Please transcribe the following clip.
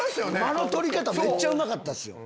間の取り方めっちゃうまかったっすよ。